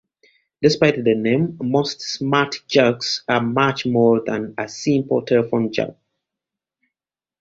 Despite the name, most smartjacks are much more than a simple telephone jack.